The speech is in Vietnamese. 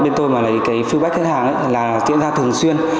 bên tôi mà lấy cái feedback khách hàng ấy là tiễn ra thường xuyên